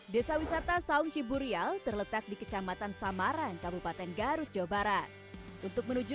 desa wisata saung ciburial terletak di kecamatan samarang kabupaten garut jawa barat untuk menuju